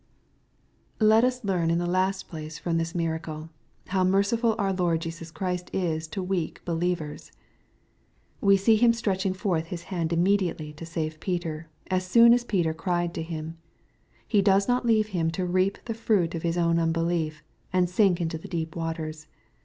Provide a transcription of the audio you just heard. Let us learn, in the last place, from this miracle, how merciful our Lord Jesus Christ is to weak believers. We iiiee Him stretching forth His hand immediately to save Peter, as soon as Peter cried to Him. He does not leave him to reap the fruit of his own unbelief, and sink in the deep waters.